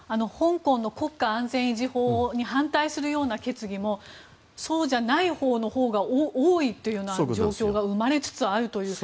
香港の国家安全維持法に反対するような決議もそうじゃないほうが多いという状況が生まれつつあると。